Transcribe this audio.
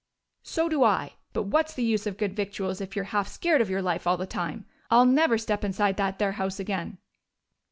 "So do I. But what's the use of good victuals if you're half scared of your life all the time? I'll never step inside that there house again!"